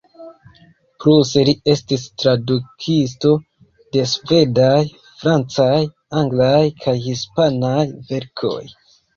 Pluse li estis tradukisto de svedaj, francaj, anglaj kaj hispanaj verkoj.